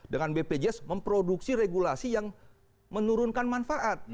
dengan bpjs memproduksi regulasi yang menurunkan manfaat